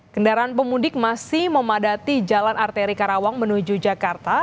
kendaraan pemudik masih memadati jalan arteri karawang menuju jakarta